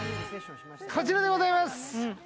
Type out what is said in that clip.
こちらでございます！